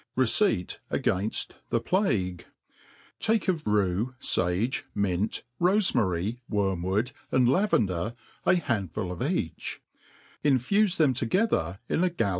Receipt again Jl the Plague^ TAKE of rue, fage, mint, rofemary, wormwood, and la« vender, a bandful of each ^ iofufe them together in a gallon of M.